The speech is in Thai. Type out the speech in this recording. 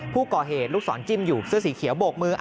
ผู้ก่อเหตุลูกศรจิ้มอยู่เสื้อสีเขียวโบกมือ